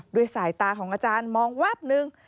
ด้วยสายตาของอาจารย์มองวับนึง